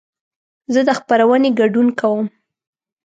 زه د خپرونې ګډون کوم.